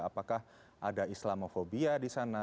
apakah ada islamofobia di sana